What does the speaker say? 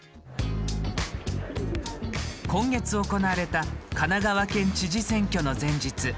今月行われた神奈川県知事選挙の前日。